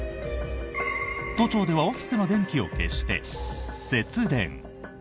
都庁ではオフィスの電気を消して、節電。